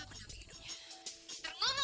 yang akan menentukan